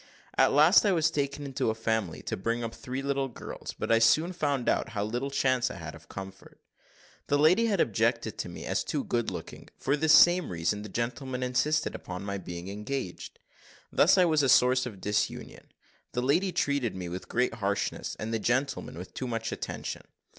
At last I was taken into a family to bring up three little girls; but I soon found out how little chance I had of comfort. The lady had objected to me as too good looking for this same reason the gentleman insisted upon my being engaged. "Thus was I a source of disunion the lady treated me with great harshness, and the gentleman with too much attention.